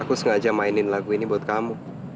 aku sengaja mainin lagu ini buat kamu